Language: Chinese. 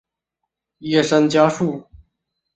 叶山嘉树。